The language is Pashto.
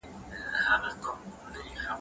دولت به په چاپېریال ساتنه کي پانګونه وکړي.